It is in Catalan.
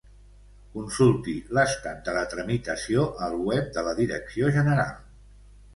Consulti l'estat de la tramitació al web de la Direcció General.